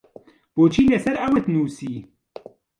بۆچی لەسەر ئەوەت نووسی؟